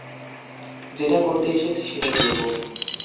যেটা করতে এসেছি সেটাই করবো।